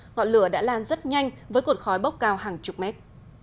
ngọn lửa đã lan rất nhanh với cột khói bốc cao hàng chục mét